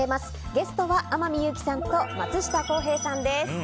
ゲストは天海祐希さんと松下洸平さんです。